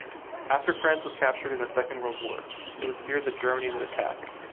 After France was captured in the Second World War, it was feared that Germany would attack.